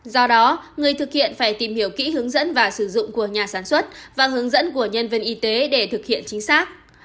do đó người thực hiện phải tìm hiểu kỹ hướng dẫn và sử dụng của nhà sản xuất và hướng dẫn của nhân viên y tế để thực hiện chính xác